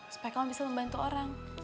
supaya kamu bisa membantu orang